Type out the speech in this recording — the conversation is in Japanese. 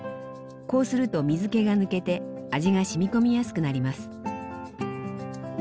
こうすると水けが抜けて味が染み込みやすくなります。